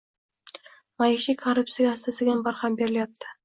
Maishiy korrupsiyaga asta-sekin barham berilayapti.